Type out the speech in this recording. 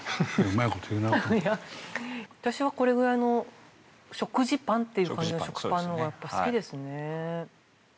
いや私はこれくらいの食事パンっていう感じの食パンのほうがやっぱ好きですね。